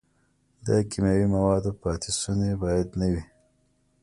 د کیمیاوي موادو پاتې شوني باید نه وي.